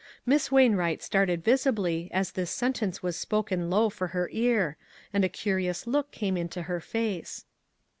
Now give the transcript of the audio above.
Miss Wainwright started visibly as this sentence was spoken low for her ear, and a curious look came into her face.